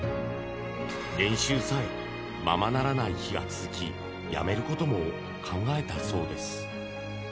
練習さえままならない日が続きやめることも考えたそうです。